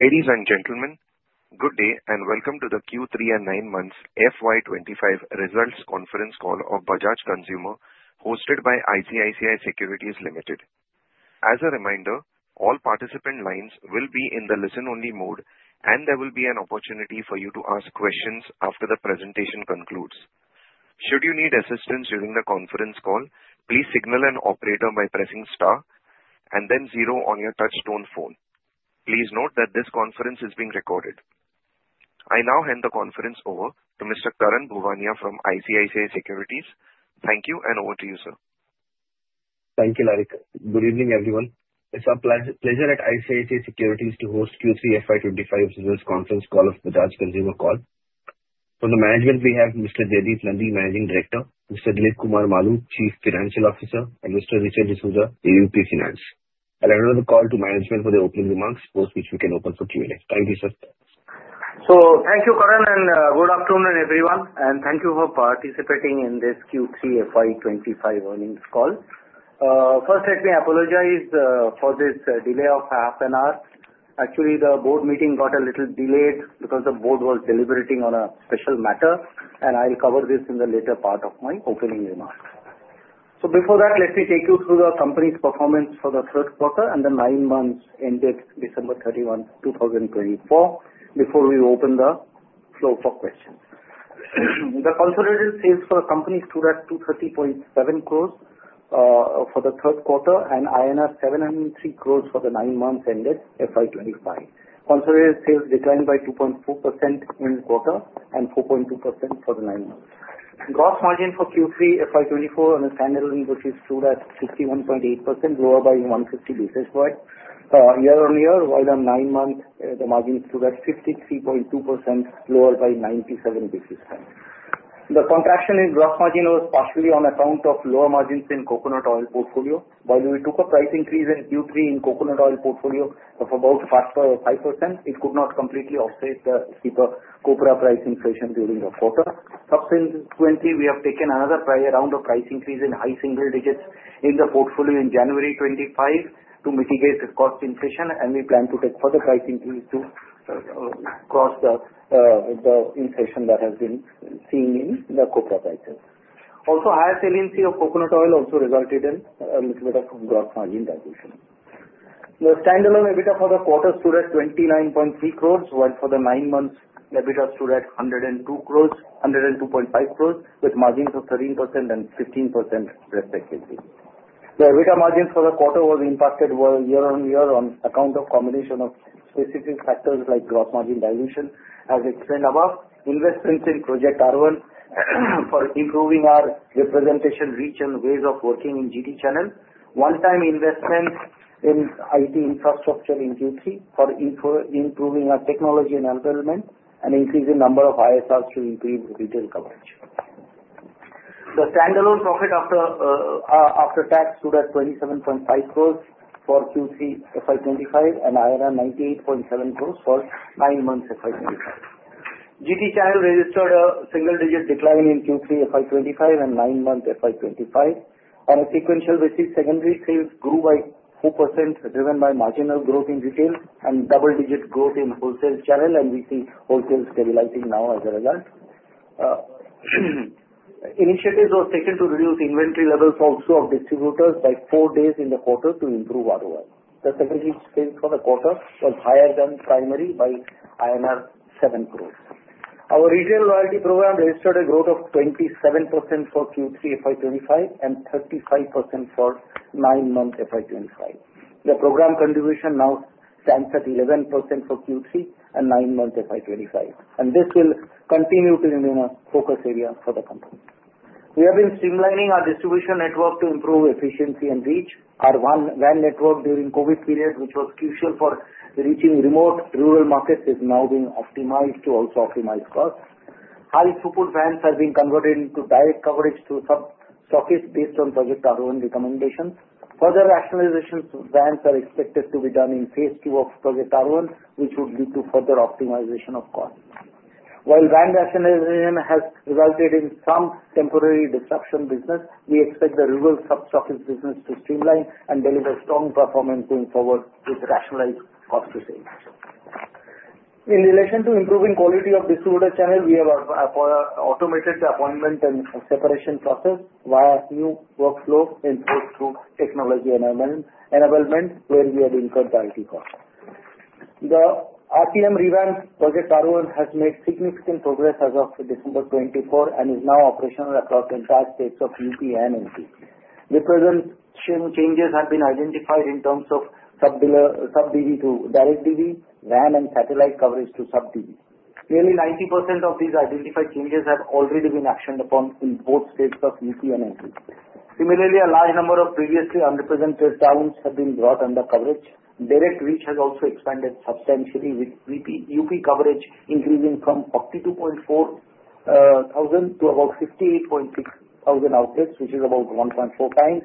Ladies and gentlemen, good day and welcome to the Q3 and nine months FY 2025 results conference call of Bajaj Consumer, hosted by ICICI Securities Limited. As a reminder, all participant lines will be in the listen-only mode, and there will be an opportunity for you to ask questions after the presentation concludes. Should you need assistance during the conference call, please signal an operator by pressing star and then zero on your touch-tone phone. Please note that this conference is being recorded. I now hand the conference over to Mr. Karan Bhuwania from ICICI Securities. Thank you, and over to you, sir. Thank you, Larry. Good evening, everyone. It's our pleasure at ICICI Securities to host Q3 FY 2025 results conference call of Bajaj Consumer Call. From the management, we have Mr. Jaideep Nandi, Managing Director, Mr. Dilip Kumar Maloo, Chief Financial Officer, and Mr. Richard D'Souza, AVP Finance. I'll hand over the call to management for the opening remarks, after which we can open for Q&A. Thank you, sir. So thank you, Karan, and good afternoon, everyone. And thank you for participating in this Q3 FY 2025 earnings call. First, let me apologize for this delay of half an hour. Actually, the board meeting got a little delayed because the board was deliberating on a special matter, and I'll cover this in the later part of my opening remarks. So before that, let me take you through the company's performance for the third quarter and the nine months ended December 31, 2024, before we open the floor for questions. The consolidated sales for the company stood at 230.7 crores for the third quarter and INR 703 crores for the nine months ended FY 2025. Consolidated sales declined by 2.4% in quarter and 4.2% for the nine months. Gross margin for Q3 FY 2024 on a standalone basis stood at 61.8%, lower by 150 basis points year-on-year, while on nine months, the margin stood at 53.2%, lower by 97 basis points. The contraction in gross margin was partially on account of lower margins in coconut oil portfolio. While we took a price increase in Q3 in coconut oil portfolio of about 5%, it could not completely offset the higher copra price inflation during the quarter. Subsequently, we have taken another round of price increase in high single digits in the portfolio in January 2025 to mitigate the cost inflation, and we plan to take further price increase to cross the inflation that has been seen in the copra prices. Also, higher salience of coconut oil also resulted in a little bit of gross margin dilution. The standalone EBITDA for the quarter stood at 29.3 crores, while for the nine months, EBITDA stood at 102.5 crores, with margins of 13% and 15% respectively. The EBITDA margins for the quarter were impacted year-on-year on account of a combination of specific factors like gross margin dilution, as explained above, investments in Project Aarohan for improving our representation reach and ways of working in GT channel, one-time investments in IT infrastructure in Q3 for improving our technology enablement, and increasing number of ISRs to improve retail coverage. The standalone profit after tax stood at 27.5 crores for Q3 FY 2025 and 98.7 crores for nine months FY 2025. GT channel registered a single-digit decline in Q3 FY 2025 and nine months FY 2025. On a sequential basis, secondary sales grew by 4%, driven by marginal growth in retail and double-digit growth in wholesale channel, and we see wholesale stabilizing now as a result. Initiatives were taken to reduce inventory levels also of distributors by four days in the quarter to improve ROI. The secondary sales for the quarter was higher than primary by INR 7 crores. Our Retail Loyalty Program registered a growth of 27% for Q3 FY 2025 and 35% for nine months FY 2025. The program contribution now stands at 11% for Q3 and nine months FY 2025, and this will continue to remain a focus area for the company. We have been streamlining our distribution network to improve efficiency and reach. Our Arohan network during COVID period, which was crucial for reaching remote rural markets, is now being optimized to also optimize costs. High-throughput vans are being converted into direct coverage through sub-stockists based on Project Aarohan recommendations. Further rationalization vans are expected to be done in Phase II of Project Aarohan, which would lead to further optimization of costs. While van rationalization has resulted in some temporary disruption business, we expect the rural sub-stockists business to streamline and deliver strong performance going forward with rationalized cost savings. In relation to improving quality of distributor channel, we have automated the appointment and separation process via new workflow enforced through technology enablement, where we have incurred quality costs. The RTM revamped Project Aarohan has made significant progress as of December 2024 and is now operational across entire states of UP and MP. Representation changes have been identified in terms of sub-DB to direct DB, van and satellite coverage to sub-DB. Nearly 90% of these identified changes have already been actioned upon in both states of UP and MP. Similarly, a large number of previously unrepresented towns have been brought under coverage. Direct reach has also expanded substantially, with UP coverage increasing from 42,000 to about 58,000 outlets, which is about 1.4x,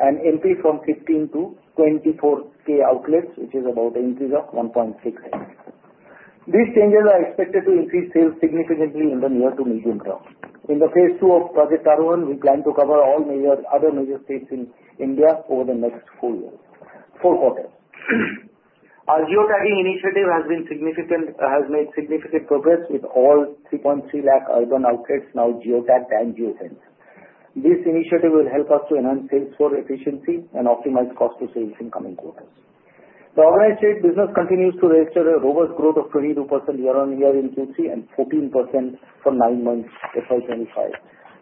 and NP from 15,000-24,000 outlets, which is about an increase of 1.6x. These changes are expected to increase sales significantly in the near to medium term. In the Phase II of Project Aarohan, we plan to cover all other major states in India over the next four quarters. Our geotagging initiative has made significant progress with all 3.3 lakh urban outlets now geotagged and geofenced. This initiative will help us to enhance sales for efficiency and optimize cost of sales in coming quarters. The organized trade business continues to register a robust growth of 22% year-on-year in Q3 and 14% for nine months FY 2025.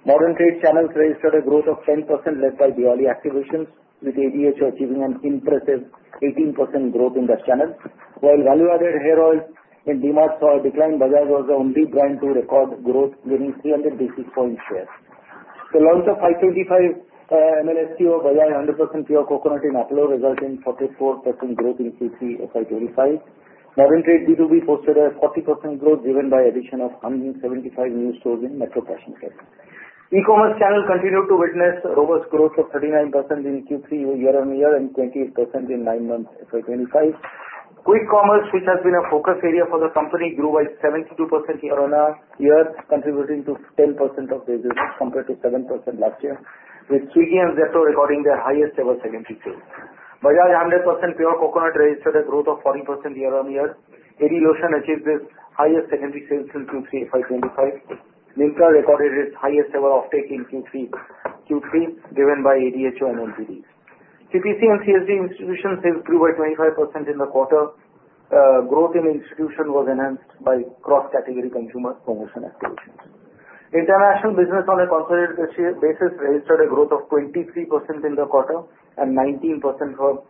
Modern trade channels registered a growth of 10% led by BYOL activations, with ADHO achieving an impressive 18% growth in the channels, while value-added hair oils in D-Mart saw a decline. Bajaj was the only brand to record growth, gaining 300 basis points share. The launch of 525 ml bottle Bajaj 100% Pure Coconut Oil in all resulted in 44% growth in Q3 FY 2025. Modern trade B2B posted a 40% growth, driven by the addition of 175 new stores in Metro Cash & Carry. E-commerce channel continued to witness robust growth of 39% in Q3 year-on-year and 28% in nine months FY 2025. Quick commerce, which has been a focus area for the company, grew by 72% year-on-year, contributing to 10% of their business compared to 7% last year, with Swiggy and Zepto recording their highest-ever secondary sales. Bajaj 100% Pure Coconut Oil registered a growth of 40% year-on-year. ADH Lotion achieved its highest secondary sales in Q3 FY 2025. Nykaa recorded its highest-ever offtake in Q3, driven by ADHO and NPD. CPC and CSD institution sales grew by 25% in the quarter. Growth in institutional was enhanced by cross-category consumer promotion activations. International business on a consolidated basis registered a growth of 23% in the quarter and 19% for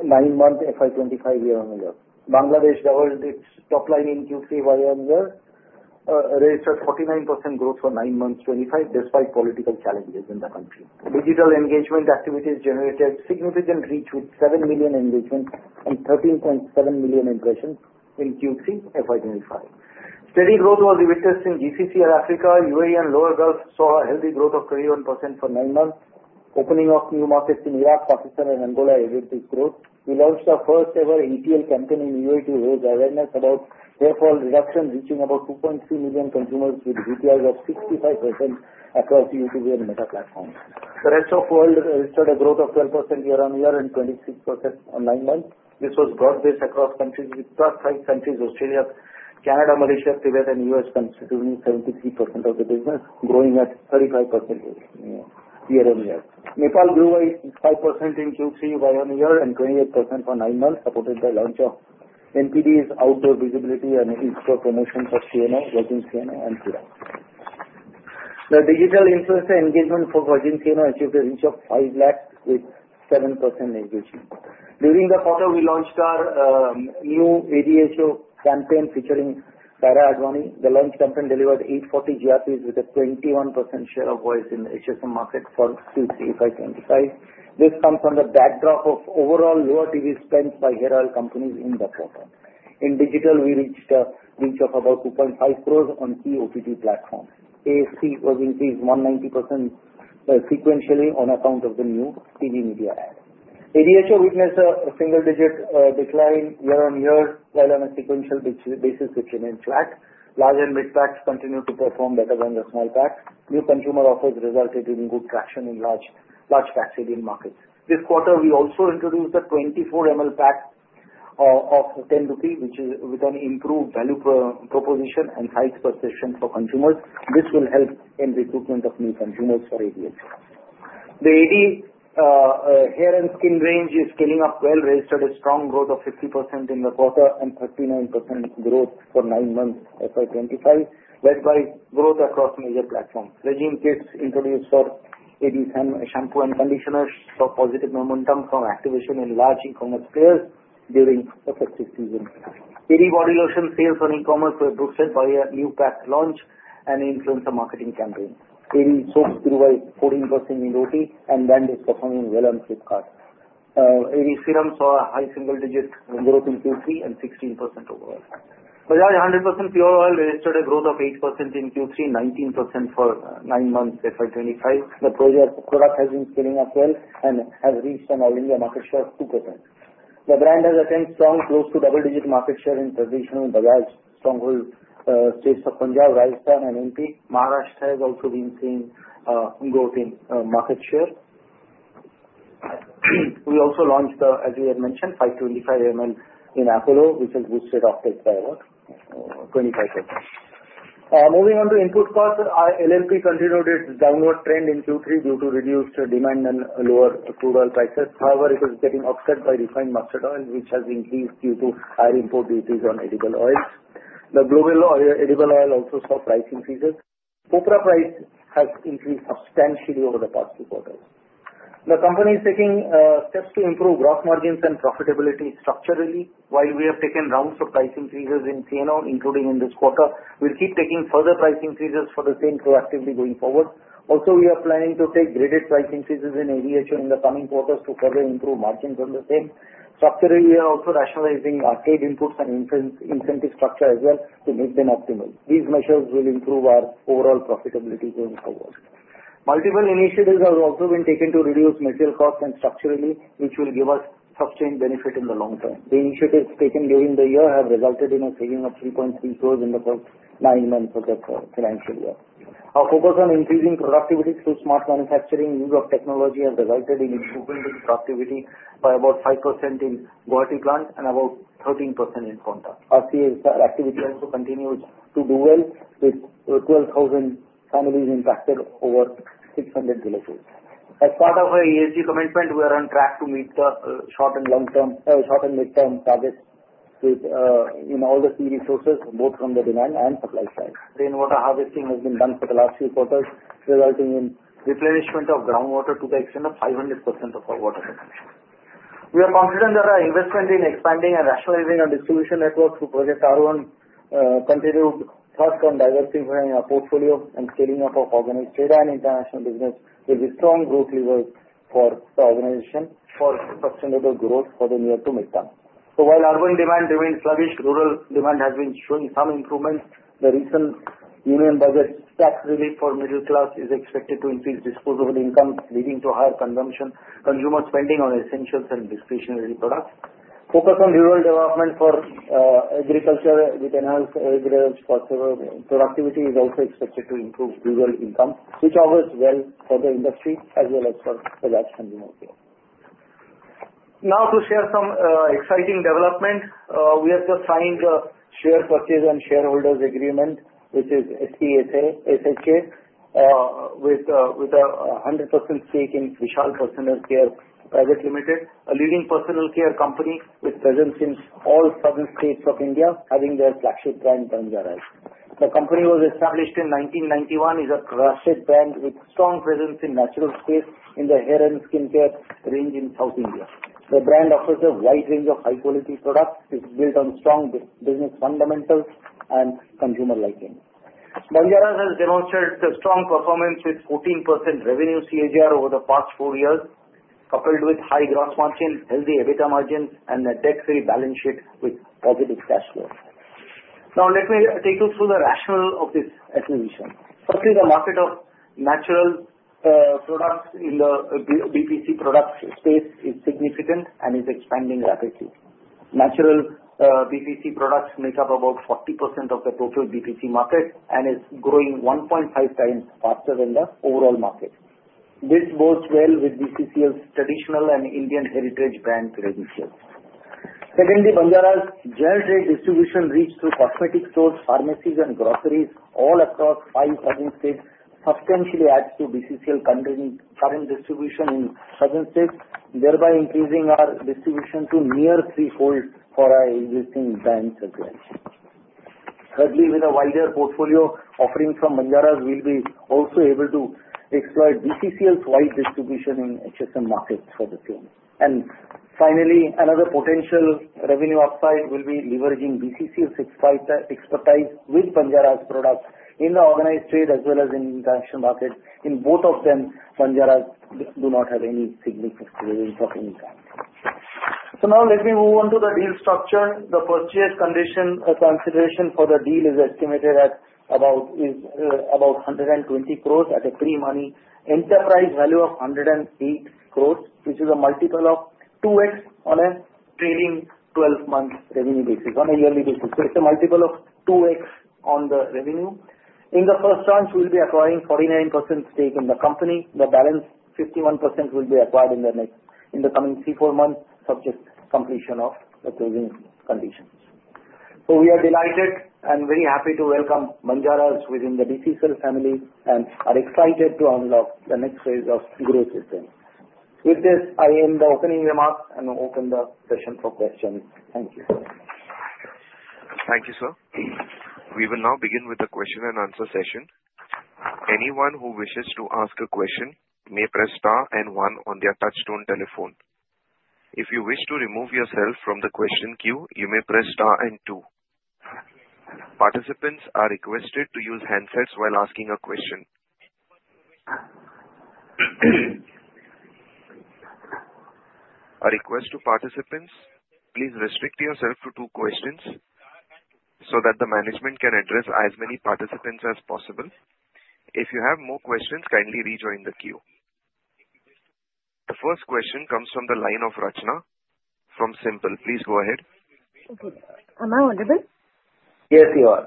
nine months FY 2025 year-on-year. Bangladesh doubled its top line in Q3 year-on-year, registered 49% growth for nine months FY 2025, despite political challenges in the country. Digital engagement activities generated significant reach with seven million engagements and 13.7 million impressions in Q3 FY 2025. Steady growth was witnessed in GCC and Africa. UAE and Lower Gulf saw a healthy growth of 31% for nine months. Opening of new markets in Iraq, Pakistan, and Angola aided this growth. We launched our first-ever ATL campaign in UAE to raise awareness about hair fall reduction, reaching about 2.3 million consumers with CTRs of 65% across YouTube and Meta platforms. The rest of the world registered a growth of 12% year-on-year and 26% on nine months. This was broad-based across countries with +5 countries: Australia, Canada, Malaysia, Tibet, and the U.S., constituting 73% of the business, growing at 35% year-on-year. Nepal grew by 5% in Q3 year-on-year and 28% for nine months, supported by launch of NPD's outdoor visibility and in-store promotions of CNO, Virgin CNO, and Kailash. The digital influencer engagement for Virgin CNO achieved a reach of 5 lakh with 7% engagement. During the quarter, we launched our new ADHO campaign featuring Kailash Advani. The launch campaign delivered 840 GRPs with a 21% share of voice in the HSM market for Q3 FY 2025. This comes from the backdrop of overall lower TV spend by hair oil companies in the quarter. In digital, we reached a reach of about 2.5 crores on key OTT platforms. A&P was increased 190% sequentially on account of the new TV media ad. ADHO witnessed a single-digit decline year-on-year, while on a sequential basis, it remained flat. Large and mid packs continued to perform better than the small packs. New consumer offers resulted in good traction in large packs in markets. This quarter, we also introduced a 24 ml pack of 10 rupees, which is with an improved value proposition and size perception for consumers. This will help in recruitment of new consumers for ADHO. The AD hair and skin range is scaling up well, registered a strong growth of 50% in the quarter and 39% growth for nine months FY 2025, led by growth across major platforms. Regimen kits introduced for AD shampoo and conditioners saw positive momentum from activation in large e-commerce players during the festive season. AD body lotion sales on e-commerce were boosted by a new pack launch and influencer marketing campaign. AD soaps grew by 14% in, and on is performing well on Flipkart. AD serum saw a high single-digit growth in Q3 and 16% overall. Bajaj 100% Pure Coconut Oil registered a growth of 8% in Q3, 19% for nine months FY 2025. The product has been scaling up well and has reached an all-India market share of 2%. The brand has attempted strong growth to double-digit market share in traditional Bajaj stronghold states of Punjab, Rajasthan, and MP. Maharashtra has also been seeing growth in market share. We also launched, as we had mentioned, 525 ml in CNO, which has boosted offtake by about 25%. Moving on to input costs, LLP continued its downward trend in Q3 due to reduced demand and lower crude oil prices. However, it is getting offset by refined mustard oil, which has increased due to higher import duties on edible oils. The global edible oil also saw price increases. Copra price has increased substantially over the past two quarters. The company is taking steps to improve gross margins and profitability structurally. While we have taken rounds of price increases in CNO, including in this quarter, we'll keep taking further price increases for the same product going forward. Also, we are planning to take graded price increases in ADHO in the coming quarters to further improve margins on the same. Structurally, we are also rationalizing our trade inputs and incentive structure as well to make them optimal. These measures will improve our overall profitability going forward. Multiple initiatives have also been taken to reduce material costs and structurally, which will give us substantial benefit in the long term. The initiatives taken during the year have resulted in a saving of 3.3 crores in the first nine months of the financial year. Our focus on increasing productivity through smart manufacturing and use of technology has resulted in improvement in productivity by about 5% in Guwahati plant and about 13% in Paonta. Our activity also continues to do well with 12,000 families impacted over 600 villages. As part of our ESG commitment, we are on track to meet the short and long-term targets in all the key resources, both from the demand and supply side. Rainwater harvesting has been done for the last few quarters, resulting in replenishment of groundwater to the extent of 500% of our water consumption. We are confident that our investment in expanding and rationalizing our distribution network through Project Aarohan, continued thrust and diversifying our portfolio and scaling up of organized trade and international business will be strong growth levers for the organization for sustainable growth for the near- to mid-term. So while urban demand remains sluggish, rural demand has been showing some improvements. The recent union budget tax relief for middle class is expected to increase disposable income, leading to higher consumption, consumer spending on essentials and discretionary products. Focus on rural development for agriculture with enhanced agricultural productivity is also expected to improve rural income, which bodes well for the industry as well as for the large consumer group. Now to share some exciting development, we have just signed the share purchase and shareholders agreement, which is SPSA SHA with a 100% stake in Vishal Personal Care Private Limited, a leading personal care company with presence in all southern states of India, having their flagship brand, Banjaras. The company was established in 1991, is a trusted brand with strong presence in natural space in the hair and skin care range in South India. The brand offers a wide range of high-quality products. It's built on strong business fundamentals and consumer liking. Banjaras has demonstrated strong performance with 14% revenue CAGR over the past four years, coupled with high gross margin, healthy EBITDA margins, and a debt-free balance sheet with positive cash flow. Now, let me take you through the rationale of this acquisition. Firstly, the market of natural products in the BPC product space is significant and is expanding rapidly. Natural BPC products make up about 40% of the total BPC market and is growing 1.5 times faster than the overall market. This bodes well with BCCL's traditional and Indian heritage brand traditions. Secondly, Banjara's general trade distribution reach through cosmetic stores, pharmacies, and groceries all across five southern states substantially adds to BCCL current distribution in southern states, thereby increasing our distribution to near threefold for our existing brands as well. Thirdly, with a wider portfolio offering from Banjaras, we'll be also able to exploit BCCL's wide distribution in HSM markets for the same. And finally, another potential revenue upside will be leveraging BCCL's expertise with Banjaras' products in the organized trade as well as in international markets. In both of them, Banjaras do not have any significant delivery for any brand. So now let me move on to the deal structure. The purchase consideration for the deal is estimated at about 120 crores at a pre-money enterprise value of 108 crores, which is a multiple of 2x on a trailing 12-month revenue basis, on a yearly basis. So it's a multiple of 2x on the revenue. In the first tranche, we'll be acquiring 49% stake in the company. The balance, 51%, will be acquired in the coming three to four months subject to completion of the closing conditions. So we are delighted and very happy to welcome Banjaras within the BCCL family and are excited to unlock the next phase of growth with them. With this, I end the opening remarks and open the session for questions. Thank you. Thank you, sir. We will now begin with the question and answer session. Anyone who wishes to ask a question may press star and one on their touch-tone telephone. If you wish to remove yourself from the question queue, you may press star and two. Participants are requested to use handsets while asking a question. A request to participants, please restrict yourself to two questions so that the management can address as many participants as possible. If you have more questions, kindly rejoin the queue. The first question comes from the line of Rachna from Centrum. Please go ahead. Okay. Am I audible? Yes, you are.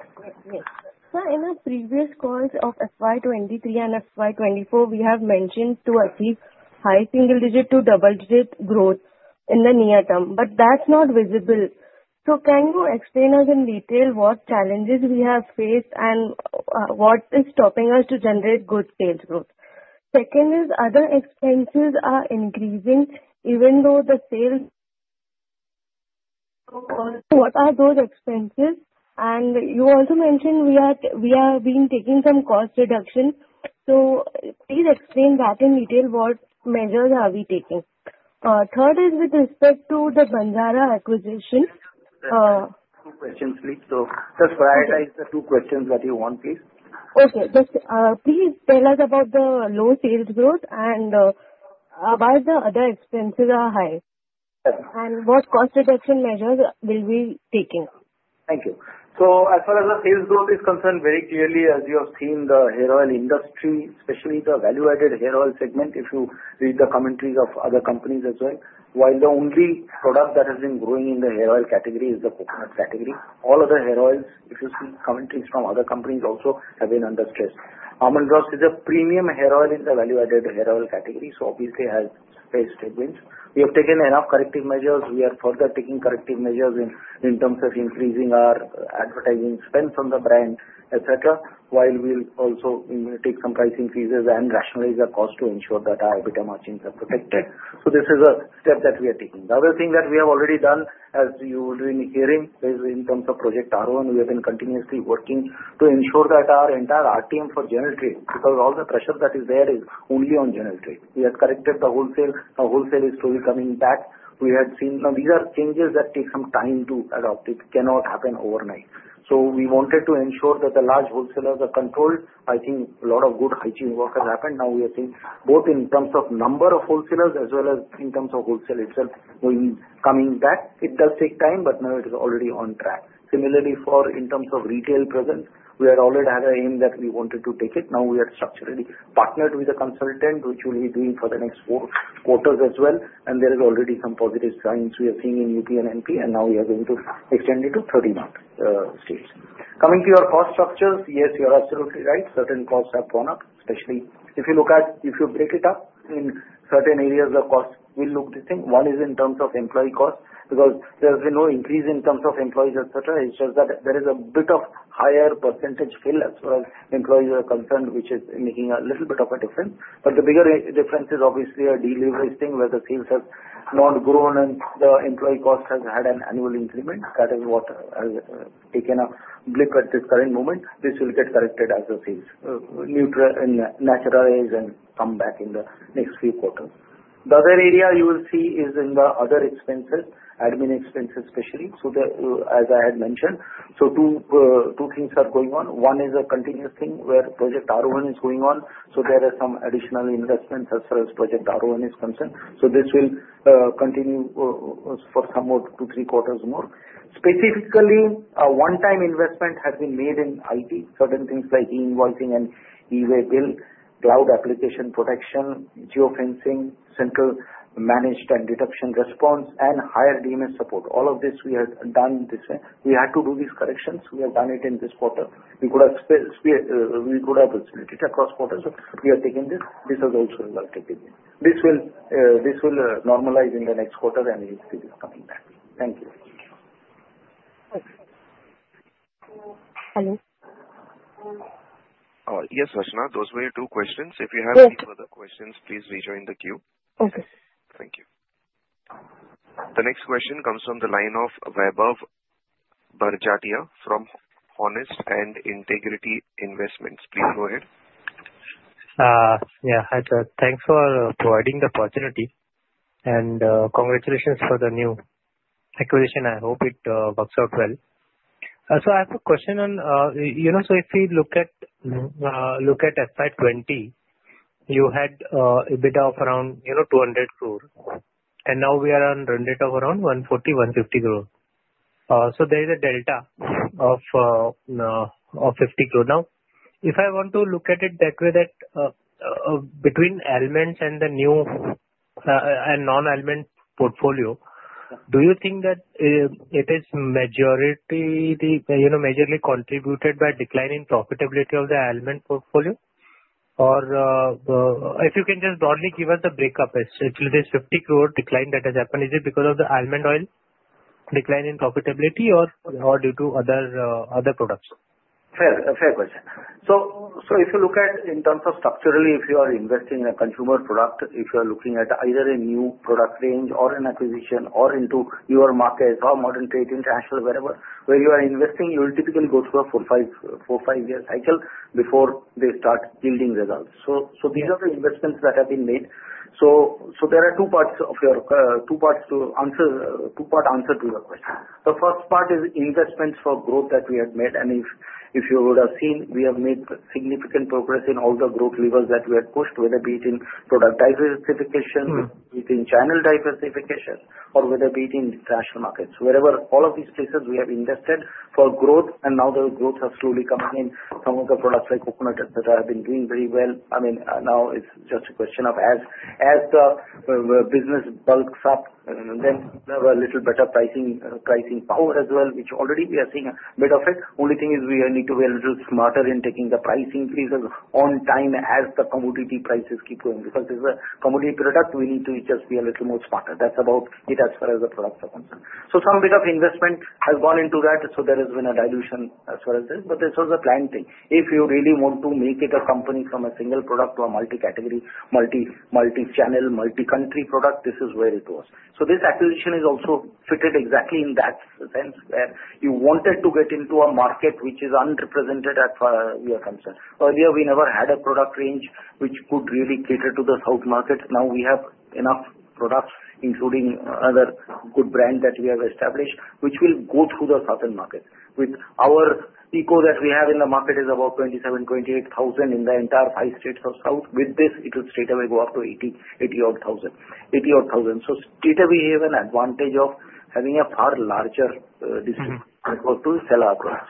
Yes. Sir, in the previous calls of FY 2023 and FY 2024, we have mentioned to achieve high single-digit to double-digit growth in the near term, but that's not visible. So can you explain us in detail what challenges we have faced and what is stopping us to generate good sales growth? Second is, other expenses are increasing, even though the sales growth. What are those expenses? And you also mentioned we are being taken some cost reduction. So please explain that in detail, what measures are we taking? Third is with respect to the Banjaras acquisition. Two questions, please. So just prioritize the two questions that you want, please. Okay. Please tell us about the low sales growth and why the other expenses are high. And what cost reduction measures will we be taking? Thank you. So as far as the sales growth is concerned, very clearly, as you have seen, the hair oil industry, especially the value-added hair oil segment, if you read the commentaries of other companies as well, while the only product that has been growing in the hair oil category is the coconut category. All other hair oils, if you see commentaries from other companies, also have been under stress. Almond Drops is a premium hair oil in the value-added hair oil category, so obviously has a stagnant range. We have taken enough corrective measures. We are further taking corrective measures in terms of increasing our advertising spend from the brand, etc., while we'll also take some price increases and rationalize the cost to ensure that our EBITDA margins are protected. So this is a step that we are taking. The other thing that we have already done, as you've been hearing, is in terms of Project Aarohan, we have been continuously working to ensure that our entire RTM for general trade, because all the pressure that is there is only on general trade. We have corrected the wholesale. The wholesale is slowly coming back. We had seen these are changes that take some time to adopt. It cannot happen overnight. So we wanted to ensure that the large wholesalers are controlled. I think a lot of good hygiene work has happened. Now we are seeing both in terms of number of wholesalers as well as in terms of wholesale itself coming back. It does take time, but now it is already on track. Similarly, for in terms of retail presence, we had already had an aim that we wanted to take it. Now we have structurally partnered with a consultant, which we'll be doing for the next four quarters as well. And there are already some positive signs we are seeing in UP and NP, and now we are going to extend it to 30 more states. Coming to your cost structures, yes, you're absolutely right. Certain costs have gone up, especially if you look at if you break it up in certain areas. The cost will look the same. One is in terms of employee cost, because there has been no increase in terms of employees, etc. It's just that there is a bit of higher percentage fill as far as employees are concerned, which is making a little bit of a difference. But the bigger difference is obviously a delivery thing, where the sales have not grown and the employee cost has had an annual increment. That is what has taken a blip at this current moment. This will get corrected as the sales normalize and come back in the next few quarters. The other area you will see is in the other expenses, admin expenses especially. So as I had mentioned, two things are going on. One is a continuous thing where Project Aarohan is going on. So there are some additional investments as far as Project Aarohan is concerned. So this will continue for some more two to three quarters more. Specifically, one-time investment has been made in IT, certain things like e-invoicing and e-way bill, cloud application protection, geofencing, central managed and detection response, and higher DMS support. All of this we have done this way. We had to do these corrections. We have done it in this quarter. We could have split it across quarters, but we have taken this. This has also resulted in this. This will normalize in the next quarter and it will be coming back. Thank you. Hello. Yes, Rachna. Those were your two questions. If you have any further questions, please rejoin the queue. Okay. Thank you. The next question comes from the line of Vijay Bharadia from Honest & Integrity Investment. Please go ahead. Yeah. Hi, sir. Thanks for providing the opportunity. And congratulations for the new acquisition. I hope it works out well. So I have a question on so if we look at FY 2020, you had EBITDA of around 200 crores, and now we are on run rate of around 140-150 crores. So there is a delta of 50 crores. Now, if I want to look at it that way that between Almonds and the new and non-Almonds portfolio, do you think that it is majorly contributed by declining profitability of the Almonds portfolio? Or if you can just broadly give us the breakup, especially this 50 crore decline that has happened, is it because of the Almonds oil decline in profitability or due to other products? Fair question. So, if you look at in terms of structurally, if you are investing in a consumer product, if you are looking at either a new product range or an acquisition or into your market or modern trade international wherever, where you are investing, you will typically go through a four- to five-year cycle before they start yielding results. So these are the investments that have been made. So there are two parts of your two parts to answer two-part answer to your question. The first part is investments for growth that we have made. And if you would have seen, we have made significant progress in all the growth levers that we have pushed, whether be it in product diversification, within channel diversification, or whether be it in international markets. Wherever all of these places we have invested for growth, and now the growth has slowly come in. Some of the products like coconut, etc., have been doing very well. I mean, now it's just a question of as the business bulks up, then we have a little better pricing power as well, which already we are seeing a bit of it. Only thing is we need to be a little smarter in taking the price increases on time as the commodity prices keep going. Because this is a commodity product, we need to just be a little more smarter. That's about it as far as the products are concerned. Some bit of investment has gone into that. There has been a dilution as far as this. But this was a planned thing. If you really want to make it a company from a single product to a multi-category, multi-channel, multi-country product, this is where it was. So this acquisition is also fitted exactly in that sense where you wanted to get into a market which is underrepresented as far as we are concerned. Earlier, we never had a product range which could really cater to the South market. Now we have enough products, including other good brands that we have established, which will go through the Southern market. With our DCOs that we have in the market is about 27,000-28,000 in the entire five states of South. With this, it will straightaway go up to 80,000 odd. So straightaway we have an advantage of having a far larger district as well to sell our products.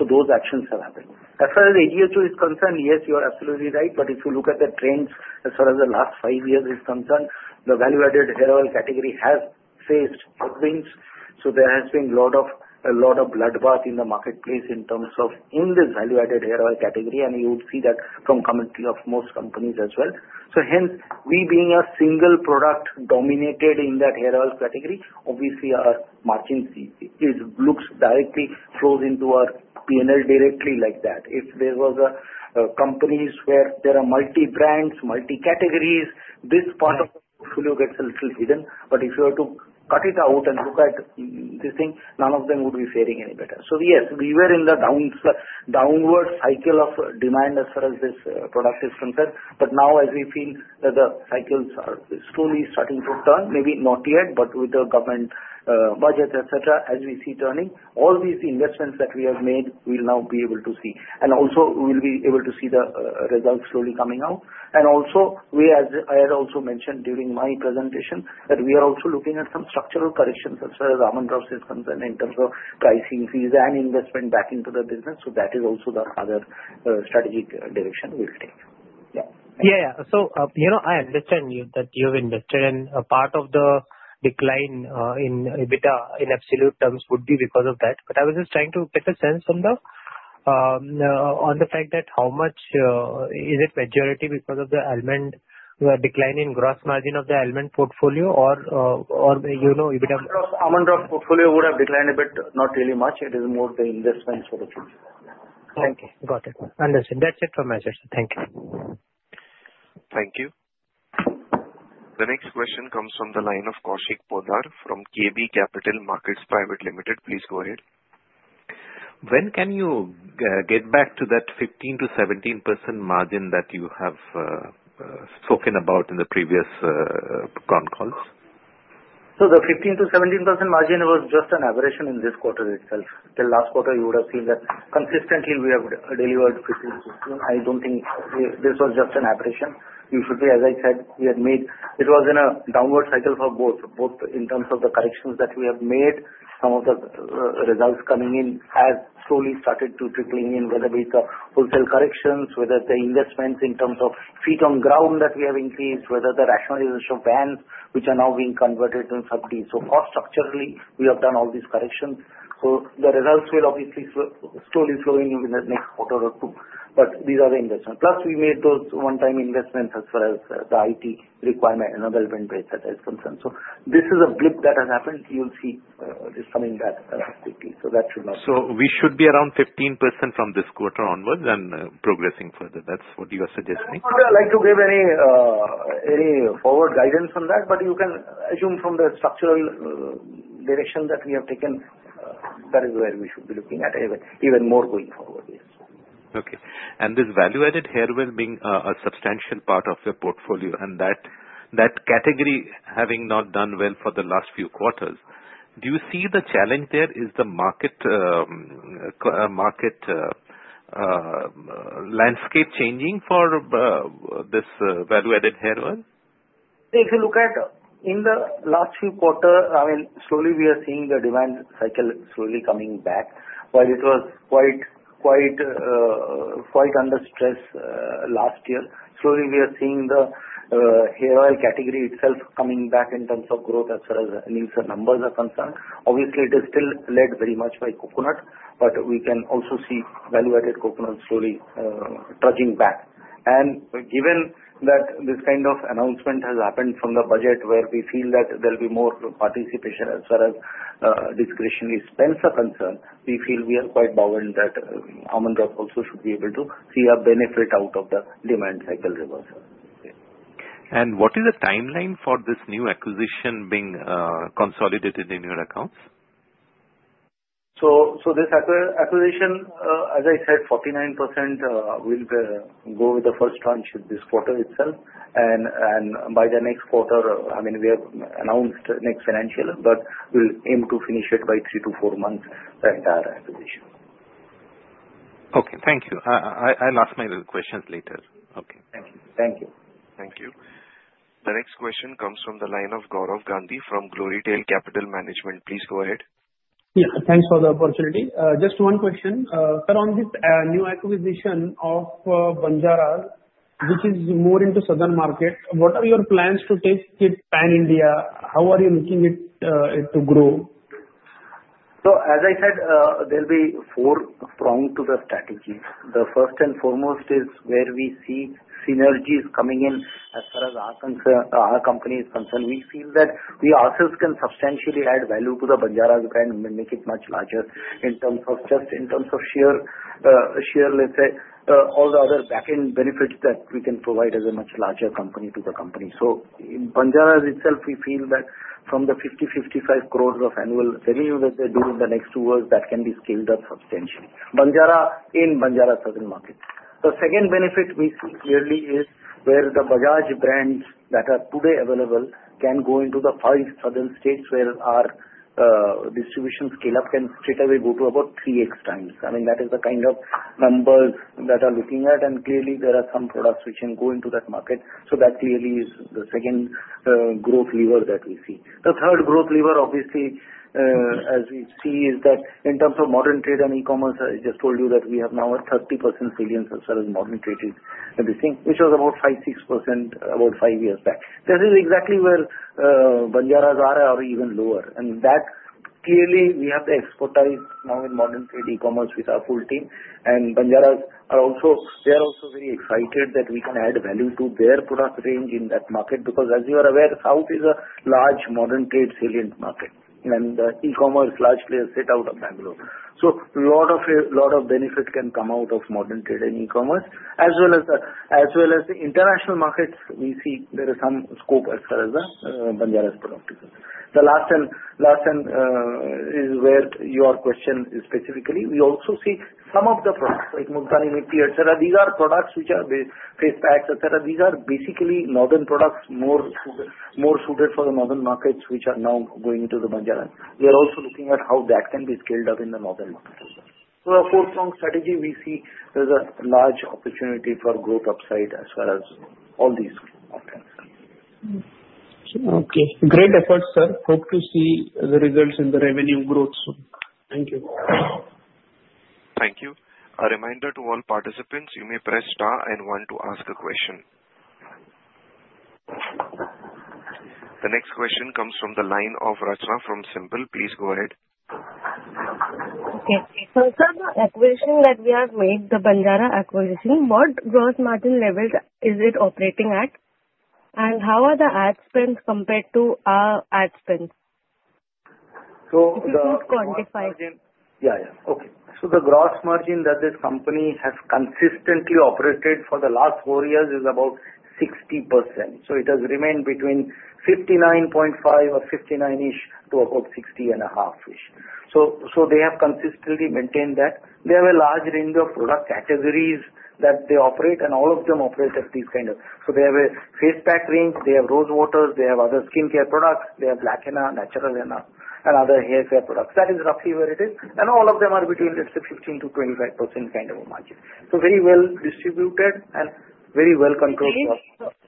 So those actions have happened. As far as ADHO is concerned, yes, you are absolutely right. But if you look at the trends as far as the last five years is concerned, the value-added hair oil category has faced headwinds. So there has been a lot of bloodbath in the marketplace in terms of in this value-added hair oil category. And you would see that from commentary of most companies as well. So hence, we being a single product dominated in that hair oil category, obviously our margin looks directly flows into our P&L directly like that. If there were companies where there are multi-brands, multi-categories, this part of the portfolio gets a little hidden. But if you were to cut it out and look at this thing, none of them would be faring any better. So yes, we were in the downward cycle of demand as far as this product is concerned. But now as we feel that the cycles are slowly starting to turn, maybe not yet, but with the government budget, etc., as we see turning, all these investments that we have made will now be able to see. And also we will be able to see the results slowly coming out. And also, I had also mentioned during my presentation that we are also looking at some structural corrections as far as Almond Drops is concerned in terms of price increase and investment back into the business. So that is also the other strategic direction we'll take. Yeah. Yeah, yeah. So I understand that you have invested in a part of the decline in EBITDA in absolute terms would be because of that. But I was just trying to get a sense from the on the fact that how much is it majority because of the Almonds decline in gross margin of the Almonds portfolio or EBITDA? Almonds portfolio would have declined a bit, not really much. It is more the investments for the future. Thank you. Got it. Understood. That's it from my side. Thank you. Thank you. The next question comes from the line of Kaushik Poddar from KB Capital Markets Private Limited. Please go ahead. When can you get back to that 15%-17% margin that you have spoken about in the previous con calls? So the 15%-17% margin was just an aberration in this quarter itself. The last quarter, you would have seen that consistently we have delivered 15%-16%. I don't think this was just an aberration. You should be, as I said, we had made it was in a downward cycle for both. Both in terms of the corrections that we have made, some of the results coming in have slowly started to trickle in, whether be it the wholesale corrections, whether the investments in terms of feet on ground that we have increased, whether the rationalization of vans, which are now being converted to sub-Ds. So cost structurally, we have done all these corrections. So the results will obviously slowly flow in the next quarter or two. But these are the investments. Plus, we made those one-time investments as far as the IT requirement and development base that is concerned. So this is a blip that has happened. You'll see this coming back quickly. So that should not. So we should be around 15% from this quarter onwards and progressing further. That's what you are suggesting. I would not like to give any forward guidance on that, but you can assume from the structural direction that we have taken, that is where we should be looking at even more going forward. Yes. Okay, and this value-added hair oil being a substantial part of your portfolio and that category having not done well for the last few quarters, do you see the challenge there? Is the market landscape changing for this value-added hair oil? If you look at it in the last few quarters, I mean, slowly we are seeing the demand cycle slowly coming back. While it was quite under stress last year, slowly we are seeing the hair oil category itself coming back in terms of growth as far as the numbers are concerned. Obviously, it is still led very much by coconut, but we can also see value-added coconut slowly trudging back. Given that this kind of announcement has happened from the budget where we feel that there will be more participation as far as discretionary spends are concerned, we feel we are quite buoyed that Almond Drops also should be able to see a benefit out of the demand cycle reversal. What is the timeline for this new acquisition being consolidated in your accounts? So this acquisition, as I said, 49% will go with the first tranche this quarter itself. By the next quarter, I mean, we have announced next financial, but we'll aim to finish it by three to four months, the entire acquisition. Okay. Thank you. I'll ask my questions later. Okay. Thank you. Thank you. Thank you. The next question comes from the line of Gaurav Gandhi from Glorytail Capital Management. Please go ahead. Yeah. Thanks for the opportunity. Just one question. Around this new acquisition of Banjaras, which is more into Southern market, what are your plans to take it pan India? How are you looking at it to grow? So as I said, there'll be four prongs to the strategies. The first and foremost is where we see synergies coming in as far as our company is concerned. We feel that we ourselves can substantially add value to the Banjaras brand and make it much larger in terms of just in terms of sheer, let's say, all the other back-end benefits that we can provide as a much larger company to the company. Banjaras itself, we feel that from the 50-55 crores of annual revenue that they do in the next two years, that can be scaled up substantially. Banjaras in the Southern market. The second benefit we see clearly is where the Bajaj brands that are today available can go into the five Southern states where our distribution scale-up can straightaway go to about 3x. I mean, that is the kind of numbers that are looking at. Clearly, there are some products which can go into that market. That clearly is the second growth lever that we see. The third growth lever, obviously, as we see, is that in terms of modern trade and e-commerce, I just told you that we have now a 30% share in modern trade, which was about 5%-6% about five years back. This is exactly where Banjaras are or even lower, and that clearly, we have the expertise now in modern trade e-commerce with our full team. Banjaras are also they are also very excited that we can add value to their product range in that market. Because as you are aware, South is a large modern trade salient market, and e-commerce largely is set out of Bangalore. So a lot of benefit can come out of modern trade and e-commerce, as well as the international markets. We see there is some scope as far as the Banjaras product is. The last one is where your question is specifically. We also see some of the products like Multani Mitti, etc. These are products which are face packs, etc. These are basically northern products more suited for the northern markets which are now going into the Banjaras. We are also looking at how that can be scaled up in the northern market. So the four-strong strategy, we see there's a large opportunity for growth upside as far as all these are concerned. Okay. Great efforts, sir. Hope to see the results in the revenue growth soon. Thank you. Thank you. A reminder to all participants, you may press star and one to ask a question. The next question comes from the line of Rachna from Centrum. Please go ahead. Okay, so sir, the acquisition that we have made, the Banjaras acquisition, what gross margin level is it operating at? And how are the ad spends compared to our ad spends? So the gross margin. Yeah, yeah. Okay, so the gross margin that this company has consistently operated for the last four years is about 60%. So it has remained between 59.5 or 59-ish to about 60 and a half-ish, so they have consistently maintained that. They have a large range of product categories that they operate, and all of them operate at these kind of, so they have a face pack range, they have rose waters, they have other skincare products, they have black henna, natural henna, and other hair care products. That is roughly where it is, and all of them are between 15%-25% kind of a margin, so very well distributed and very well controlled products.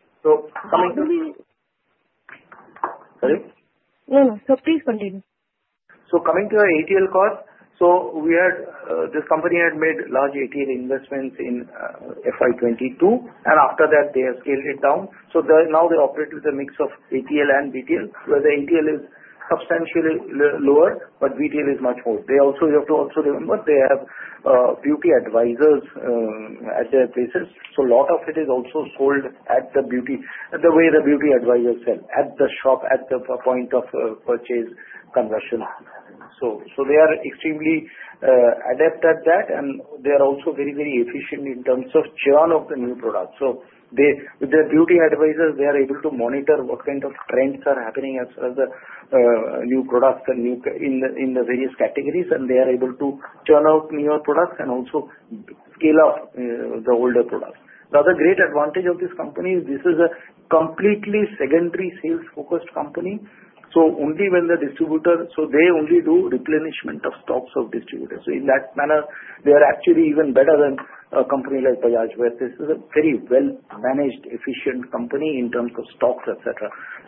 Sir, please continue. So coming to our ATL cost, so this company had made large ATL investments in FY 2022, and after that, they have scaled it down, so now they operate with a mix of ATL and BTL, where the ATL is substantially lower, but BTL is much more. They also have to remember they have beauty advisors at their places. So a lot of it is also sold at the beauty, the way the beauty advisors sell, at the shop, at the point of purchase conversion. So they are extremely adept at that, and they are also very, very efficient in terms of churn of the new products. So with their beauty advisors, they are able to monitor what kind of trends are happening as far as the new products in the various categories, and they are able to churn out newer products and also scale up the older products. The other great advantage of this company is this is a completely secondary sales-focused company. So only when the distributor, so they only do replenishment of stocks of distributors. So in that manner, they are actually even better than a company like Bajaj, where this is a very well-managed, efficient company in terms of stocks, etc.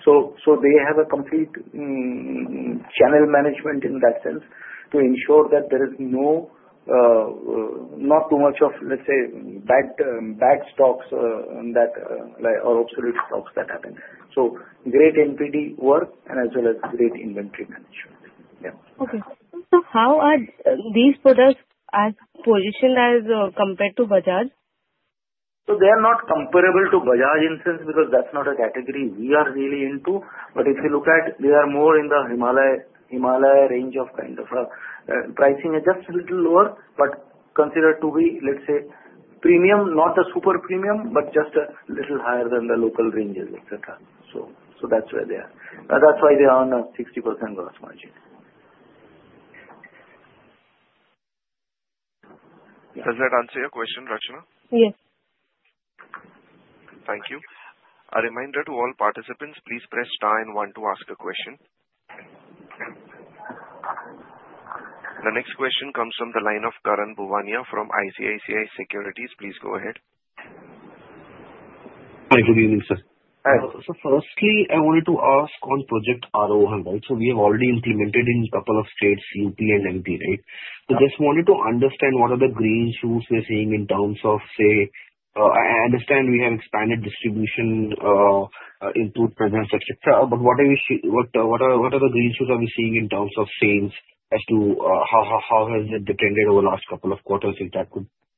So they have a complete channel management in that sense to ensure that there is not too much of, let's say, bad stocks or obsolete stocks that happen. So great NPD work and as well as great inventory management. Yeah. Okay. So how are these products positioned as compared to Bajaj? So they are not comparable to Bajaj in the sense because that's not a category we are really into. But if you look at, they are more in the Himalaya range of kind of pricing, just a little lower, but considered to be, let's say, premium, not a super premium, but just a little higher than the local ranges, etc. So that's where they are. That's why they are on a 60% gross margin. Does that answer your question, Rachna? Yes. Thank you. A reminder to all participants, please press star and one to ask a question. The next question comes from the line of Karan Bhuwania from ICICI Securities. Please go ahead. Hi. Good evening, sir. So firstly, I wanted to ask on Project Aarohan, right? So we have already implemented in a couple of states, UP and MP, right? So just wanted to understand what are the green shoots we're seeing in terms of, say, I understand we have expanded distribution into presence, etc. But what are the green shoots we're seeing in terms of sales as to how has it performed over the last couple of quarters?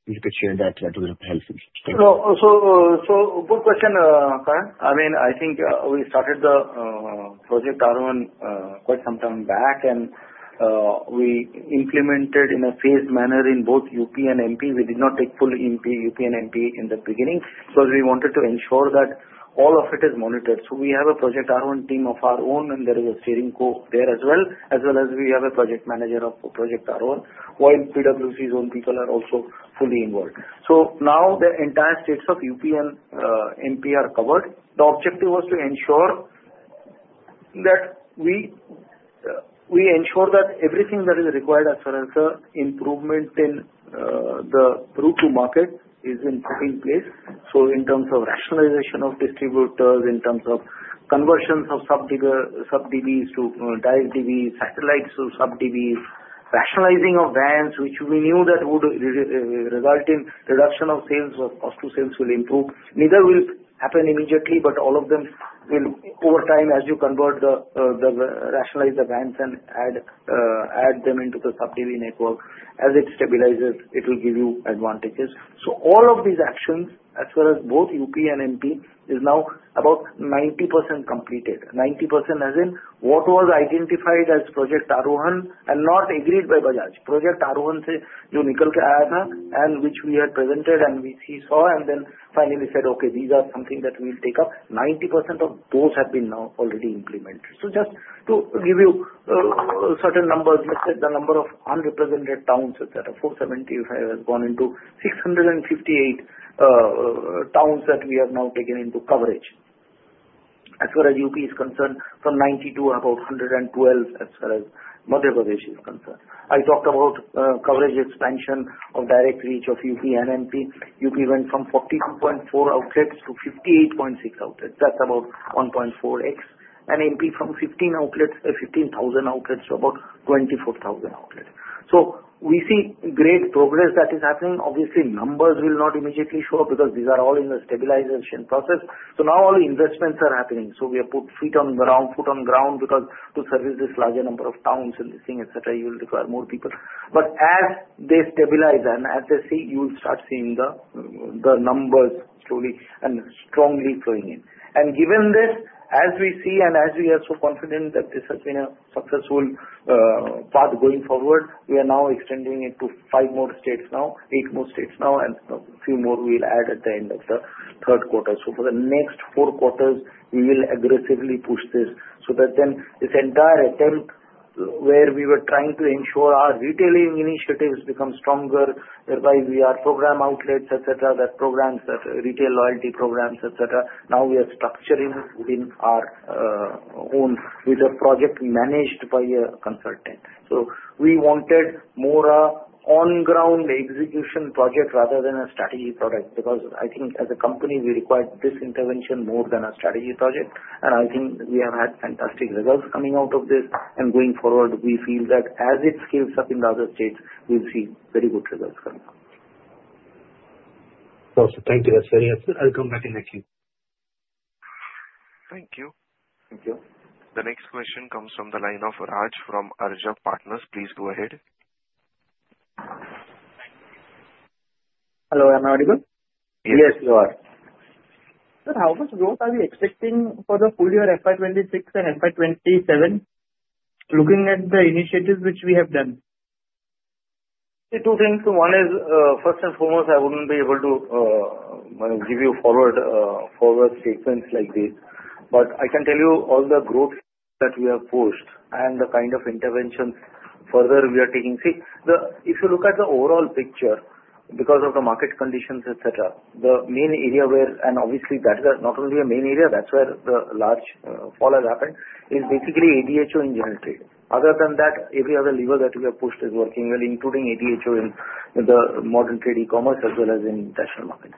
If you could share that, that would help me. So good question, Karan. I mean, I think we started the Project Aarohan quite some time back, and we implemented in a phased manner in both UP and MP. We did not take full UP and MP in the beginning because we wanted to ensure that all of it is monitored. So we have a Project Aarohan team of our own, and there is a steering committee there as well as we have a project manager of Project Aarohan, while PwC's own people are also fully involved. So now the entire states of UP and MP are covered. The objective was to ensure that we ensure that everything that is required as far as improvement in the route to market is in place. So in terms of rationalization of distributors, in terms of conversions of sub DBs to direct DBs, satellites to sub DBs, rationalizing of vans, which we knew that would result in reduction of sales, cost to sales will improve. Neither will happen immediately, but all of them will over time as you convert and rationalize the vans and add them into the sub DB network. As it stabilizes, it will give you advantages. So all of these actions, as well as both UP and MP, is now about 90% completed. 90% as in what was identified as Project Aarohan and now agreed by Bajaj. Project Aarohan, say, you know, nickel cut out and which we had presented and he saw and then finally said, "Okay, these are something that we'll take up." 90% of those have been now already implemented. So just to give you certain numbers, let's say the number of unrepresented towns, etc., 475 has gone into 658 towns that we have now taken into coverage. As far as UP is concerned, from 92, about 112 as far as Madhya Pradesh is concerned. I talked about coverage expansion of direct reach of UP and MP. UP went from 42.4 outlets to 58.6 outlets. That's about 1.4x. And MP from 15,000 outlets to about 24,000 outlets. So we see great progress that is happening. Obviously, numbers will not immediately show up because these are all in the stabilization process. So now all the investments are happening. So we have put feet on the ground, foot on ground because to service this larger number of towns and this thing, etc., you'll require more people. But as they stabilize and as they see, you'll start seeing the numbers slowly and strongly flowing in. And given this, as we see and as we are so confident that this has been a successful path going forward, we are now extending it to five more states now, eight more states now, and a few more we'll add at the end of the third quarter. So for the next four quarters, we will aggressively push this so that then this entire attempt where we were trying to ensure our retailing initiatives become stronger, whereby we are program outlets, etc., that programs, that retail loyalty programs, etc., now we are structuring within our own with a project managed by a consultant. So we wanted more on-ground execution project rather than a strategy product because I think as a company, we required this intervention more than a strategy project. I think we have had fantastic results coming out of this. Going forward, we feel that as it scales up in the other states, we'll see very good results coming out. Awesome. Thank you. That's very helpful. I'll come back in the queu. Thank you. Thank you. The next question comes from the line of Raj from Arjav Partners. Please go ahead. Hello. Am I audible? Yes, you are. Sir, how much growth are we expecting for the full year FY 2026 and FY 2027 looking at the initiatives which we have done? Two things. One is, first and foremost, I wouldn't be able to give you forward statements like this. But I can tell you all the growth that we have pushed and the kind of interventions further we are taking. See, if you look at the overall picture because of the market conditions, etc. The main area where, and obviously that is not only a main area, that's where the large fall has happened, is basically ADHO in general trade. Other than that, every other lever that we have pushed is working well, including ADHO in the modern trade, e-commerce as well as in international markets.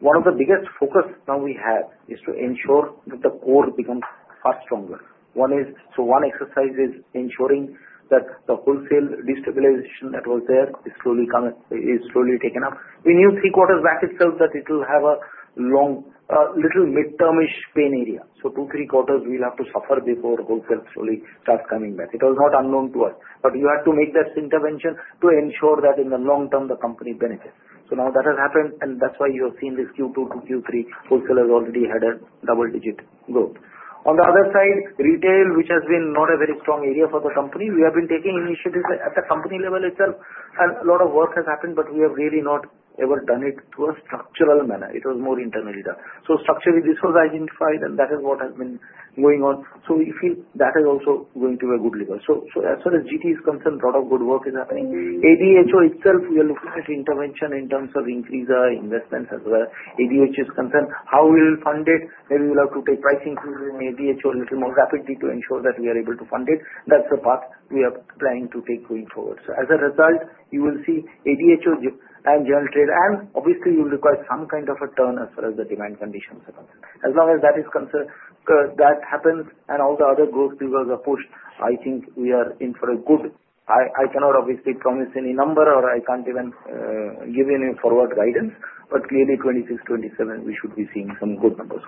One of the biggest focuses now we have is to ensure that the core becomes far stronger. One exercise is ensuring that the wholesale destabilization that was there is slowly taken up. We knew three quarters back itself that it will have a little mid-term-ish pain area. Two, three quarters, we'll have to suffer before wholesale slowly starts coming back. It was not unknown to us. You have to make that intervention to ensure that in the long term, the company benefits. So now that has happened, and that's why you have seen this Q2 to Q3 wholesalers already had a double-digit growth. On the other side, retail, which has been not a very strong area for the company, we have been taking initiatives at the company level itself, and a lot of work has happened, but we have really not ever done it to a structural manner. It was more internally done. So structurally, this was identified, and that is what has been going on. So we feel that is also going to a good level. So as far as GT is concerned, a lot of good work is happening. ADHO itself, we are looking at intervention in terms of increasing investments as well. ADHO is concerned how we will fund it. Maybe we'll have to take pricing through ADHO a little more rapidly to ensure that we are able to fund it. That's the path we are planning to take going forward. So as a result, you will see ADHO and general trade, and obviously, you'll require some kind of a turn as far as the demand conditions are concerned. As long as that is concerned, that happens, and all the other growth levers are pushed, I think we are in for a good. I cannot obviously promise any number, or I can't even give any forward guidance. But clearly, 2026, 2027, we should be seeing some good numbers.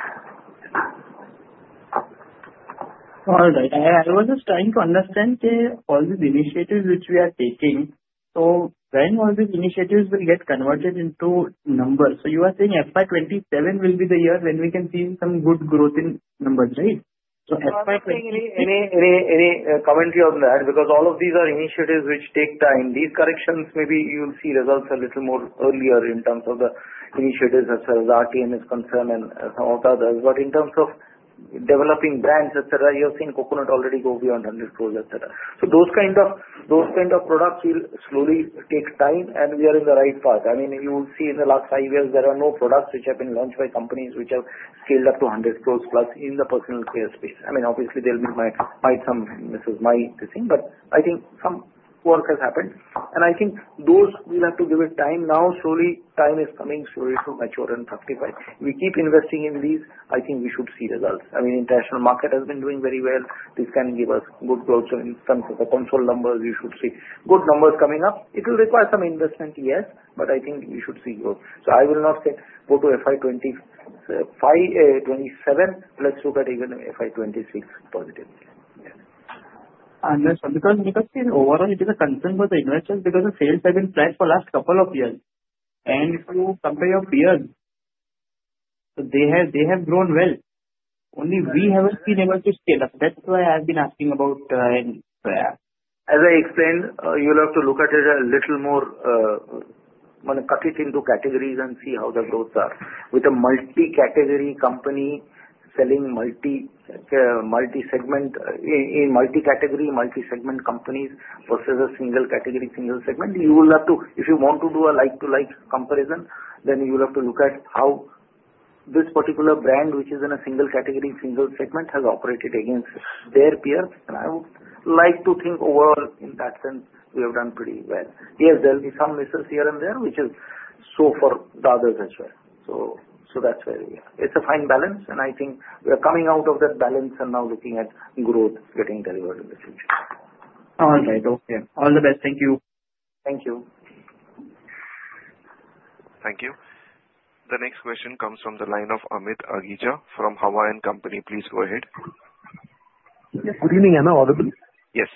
All right. I was just trying to understand all these initiatives which we are taking. So when all these initiatives will get converted into numbers? So you are saying FY 2027 will be the year when we can see some good growth in numbers, right? So, FY 2027. Any commentary on that? Because all of these are initiatives which take time. These corrections, maybe you'll see results a little more earlier in terms of the initiatives as far as RTM is concerned and some of the others. But in terms of developing brands, etc., you have seen coconut already go beyond 100 crores, etc. So those kind of products will slowly take time, and we are in the right path. I mean, you will see in the last five years, there are no products which have been launched by companies which have scaled up to 100 crores plus in the personal care space. I mean, obviously, there'll be quite some misses, my thing, but I think some work has happened. I think those will have to give it time now. Slowly, time is coming slowly to mature and fructify. If we keep investing in these, I think we should see results. I mean, international market has been doing very well. This can give us good growth. So in terms of the consolidated numbers, you should see good numbers coming up. It will require some investment, yes, but I think we should see growth. So I will not say go to FY 2027. Let's look at even FY 2026 positively. Understood. Because overall, it is a concern for the investors because the sales have been flat for the last couple of years. And if you compare your peers, they have grown well. Only we haven't been able to scale up. That's why I've been asking about. As I explained, you'll have to look at it a little more, cut it into categories and see how the growths are. With a multi-category company selling multi-segment in multi-category, multi-segment companies versus a single category, single segment, you will have to, if you want to do a like-to-like comparison, then you'll have to look at how this particular brand, which is in a single category, single segment, has operated against their peers. And I would like to think overall in that sense, we have done pretty well. Yes, there'll be some misses here and there, which is so for the others as well. So that's where we are. It's a fine balance, and I think we are coming out of that balance and now looking at growth getting delivered in the future. All right. Okay. All the best. Thank you. Thank you. Thank you. The next question comes from the line of Amit Hajeja from Haitong Securities. Please go ahead. Good evening. Am I audible? Yes.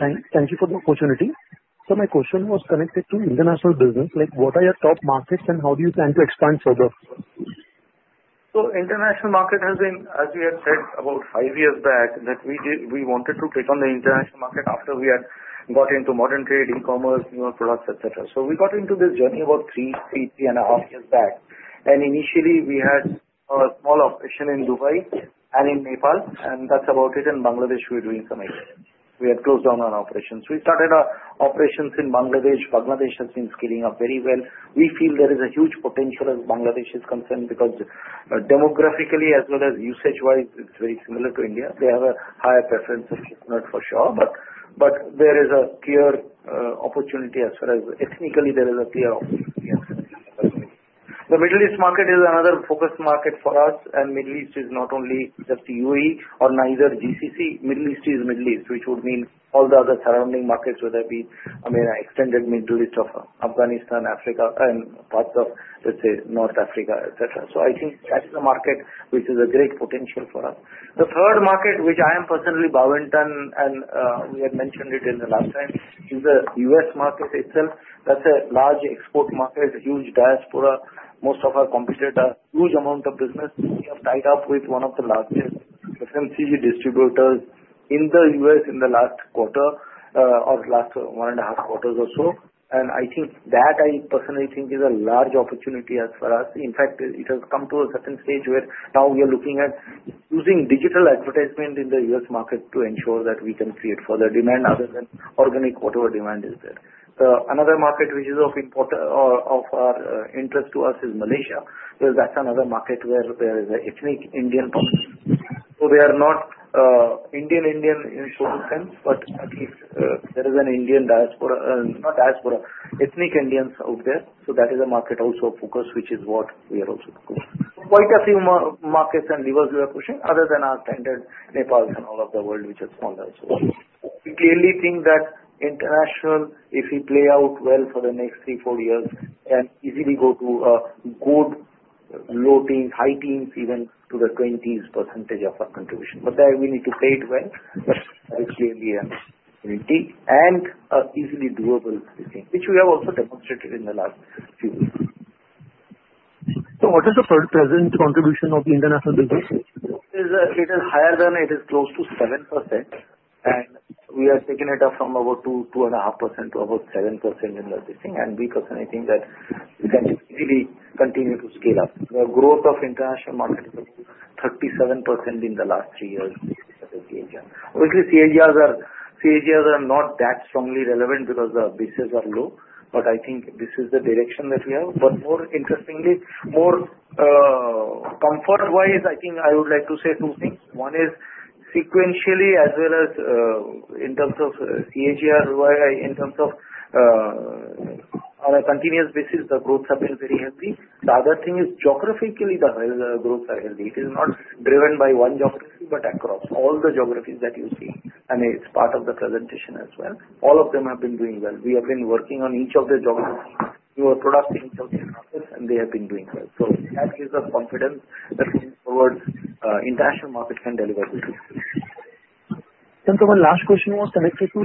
Thank you for the opportunity. So my question was connected to international business. What are your top markets, and how do you plan to expand further? International market has been, as we had said about five years back, that we wanted to take on the international market after we had got into modern trade, e-commerce, newer products, etc. We got into this journey about three, three and a half years back. And initially, we had a small operation in Dubai and in Nepal, and that's about it. In Bangladesh, we're doing some exports. We had closed down on operations. We started operations in Bangladesh. Bangladesh has been scaling up very well. We feel there is a huge potential as far as Bangladesh is concerned because demographically as well as usage-wise, it's very similar to India. They have a higher preference for coconut, for sure. But there is a clear opportunity as far as ethnically, there is a clear opportunity as far as ethnicity. The Middle East market is another focus market for us, and Middle East is not only just UAE nor GCC. Middle East is Middle East, which would mean all the other surrounding markets, whether it be, I mean, extended Middle East of Afghanistan, Africa, and parts of, let's say, North Africa, etc. So I think that's the market which has great potential for us. The third market, which I am personally bullish on, and we had mentioned it last time, is the U.S. market itself. That's a large export market, huge diaspora. Most of our competitors, huge amount of business. We have tied up with one of the largest FMCG distributors in the U.S. in the last quarter or last one and a half quarters or so. And I think that I personally think is a large opportunity as far as, in fact, it has come to a certain stage where now we are looking at using digital advertisement in the U.S. market to ensure that we can create further demand other than organic whatever demand is there. Another market which is of our interest to us is Malaysia. That's another market where there is an ethnic Indian population. So they are not Indian, Indian in a certain sense, but at least there is an Indian diaspora, not diaspora, ethnic Indians out there. So that is a market also of focus, which is what we are also focused. Quite a few markets and levers we are pushing other than our standard Nepal and all over the world, which has fallen also. We clearly think that international, if we play out well for the next three, four years, can easily go to good low teens, high teens, even to the 20%s of our contribution. But we need to play it well. That is clearly an opportunity and easily doable, which we have also demonstrated in the last few weeks. So what is the present contribution of the international business? It is higher than it is close to 7%, and we are taking it up from about 2%-2.5% to about 7% in the listing. And we personally think that we can easily continue to scale up. The growth of international market is about 37% in the last three years with CAGR. Obviously, CAGRs are not that strongly relevant because the bases are low. But I think this is the direction that we have. But more interestingly, more comfort-wise, I think I would like to say two things. One is sequentially, as well as in terms of CAGR, in terms of on a continuous basis, the growths have been very healthy. The other thing is geographically, the growths are healthy. It is not driven by one geography, but across all the geographies that you see. And it's part of the presentation as well. All of them have been doing well. We have been working on each of the geographies. We were penetrating in South Asian markets, and they have been doing well. So that gives us confidence that going forward, international market can deliver good results. And so, my last question was connected to: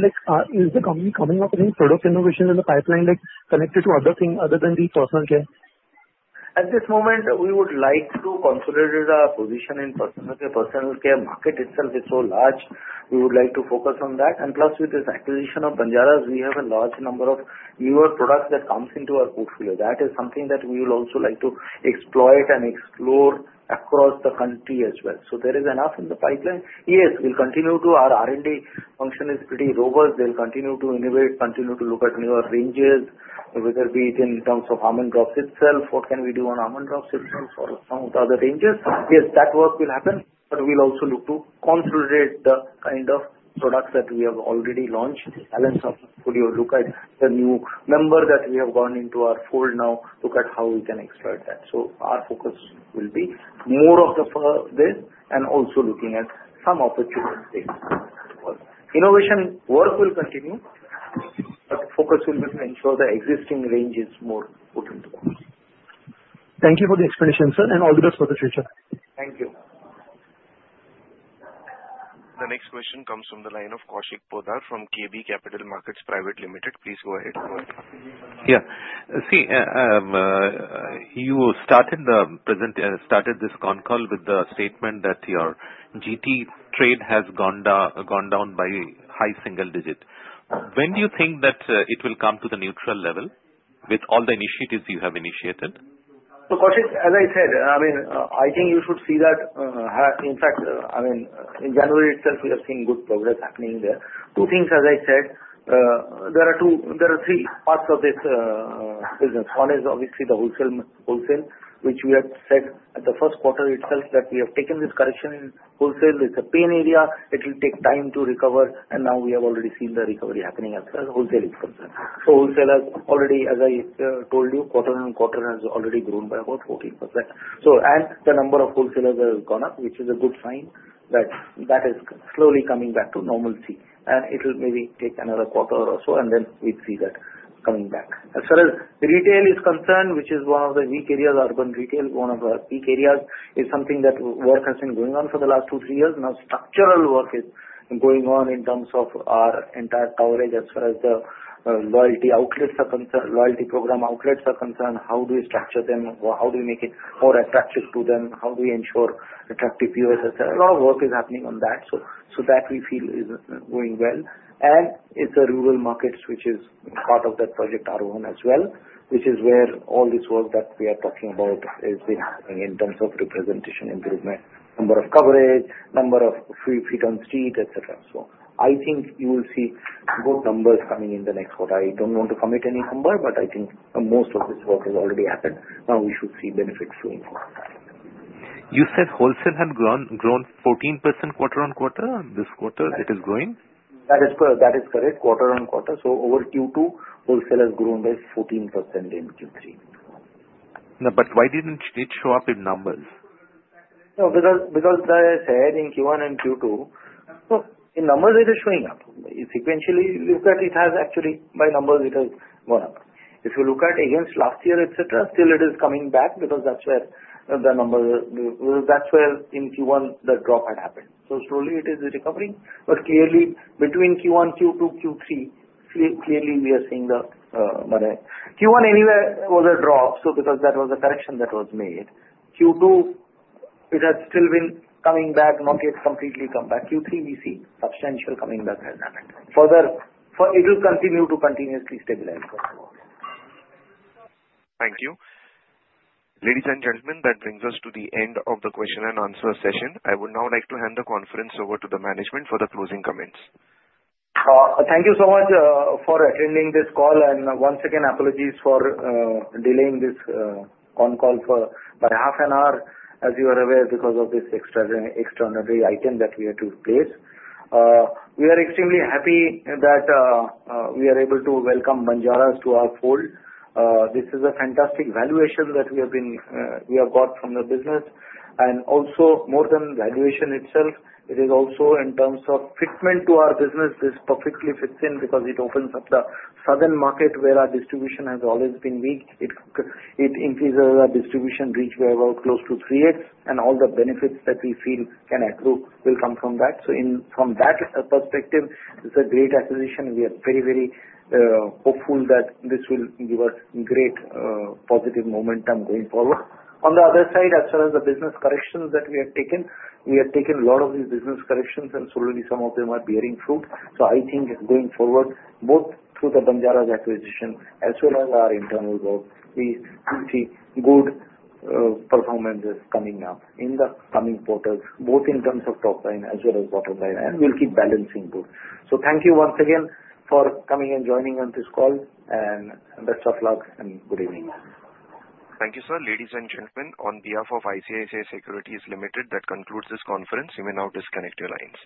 Is the company coming up with any product innovations in the pipeline connected to other things other than personal care? At this moment, we would like to consolidate our position in personal care. Personal care market itself is so large. We would like to focus on that. And plus, with this acquisition of Banjaras, we have a large number of newer products that come into our portfolio. That is something that we would also like to exploit and explore across the country as well. So there is enough in the pipeline. Yes, we'll continue to. Our R&D function is pretty robust. They'll continue to innovate, continue to look at newer ranges, whether it be in terms of Almond Drops itself, what can we do on Almond Drops itself, or some of the other ranges. Yes, that work will happen, but we'll also look to consolidate the kind of products that we have already launched. Also look at the new member that we have gone into our fold now, look at how we can exploit that. So our focus will be more on this, and also looking at some opportunities. Innovation work will continue, but the focus will be to ensure the existing range is more put into place. Thank you for the explanation, sir, and all the best for the future. Thank you. The next question comes from the line of Kaushik Poddar from KB Capital Markets Private Limited. Please go ahead. Yeah. See, you started this con call with the statement that your GT trade has gone down by high single digit. When do you think that it will come to the neutral level with all the initiatives you have initiated? So Kaushik, as I said, I mean, I think you should see that. In fact, I mean, in January itself, we have seen good progress happening there. Two things, as I said, there are three parts of this business. One is obviously the wholesale, which we had said at the first quarter itself that we have taken this correction in wholesale. It's a pain area. It will take time to recover. And now we have already seen the recovery happening as well. Wholesale is concerned. So wholesalers, already, as I told you, quarter on quarter has already grown by about 14%. And the number of wholesalers has gone up, which is a good sign that that is slowly coming back to normalcy. And it will maybe take another quarter or so, and then we'd see that coming back. As far as retail is concerned, which is one of the weak areas, urban retail is one of our weak areas. It's something that work has been going on for the last two, three years. Now, structural work is going on in terms of our entire coverage as far as the loyalty outlets are concerned, loyalty program outlets are concerned. How do we structure them? How do we make it more attractive to them? How do we ensure attractive viewers? A lot of work is happening on that. So that we feel is going well. And it's a rural market, which is part of thatProject Aarohan as well, which is where all this work that we are talking about has been happening in terms of representation improvement, number of coverage, number of feet on the street, etc. So I think you will see good numbers coming in the next quarter. I don't want to commit any number, but I think most of this work has already happened. Now we should see benefits flowing forward. You said wholesale had grown 14% quarter on quarter. This quarter, it is growing? That is correct. Quarter-on-quarter. So over Q2, wholesale has grown by 14% in Q3. But why didn't it show up in numbers? Because as I said, in Q1 and Q2, in numbers, it is showing up. Sequentially, you look at it, actually, by numbers, it has gone up. If you look at against last year, etc., still it is coming back because that's where the number, that's where in Q1, the drop had happened. So slowly, it is recovering. But clearly, between Q1, Q2, Q3, clearly, we are seeing the Q1 anywhere was a drop. So, because that was a correction that was made, Q2, it has still been coming back, not yet completely come back. Q3, we see substantial coming back has happened. Further, it will continue to continuously stabilize for sure. Thank you. Ladies and gentlemen, that brings us to the end of the question and answer session. I would now like to hand the conference over to the management for the closing comments. Thank you so much for attending this call. And once again, apologies for delaying this con call for about half an hour, as you are aware, because of this extraordinary item that we had to place. We are extremely happy that we are able to welcome Banjaras to our fold. This is a fantastic valuation that we have got from the business. And also, more than valuation itself, it is also in terms of fitment to our business. This perfectly fits in because it opens up the southern market where our distribution has always been weak. It increases our distribution reach by about close to 3x, and all the benefits that we feel can accrue will come from that. So from that perspective, it's a great acquisition. We are very, very hopeful that this will give us great positive momentum going forward. On the other side, as far as the business corrections that we have taken, we have taken a lot of these business corrections, and slowly, some of them are bearing fruit. So I think going forward, both through the Banjaras acquisition as well as our internal growth, we see good performances coming up in the coming quarters, both in terms of top line as well as bottom line. And we'll keep balancing both. So thank you once again for coming and joining on this call. Best of luck and good evening. Thank you, sir. Ladies and gentlemen, on behalf of ICICI Securities Limited, that concludes this conference. You may now disconnect your lines.